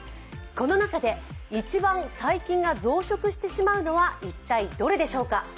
この中で一番細菌が増殖してしまうのは一体どれでしょうか？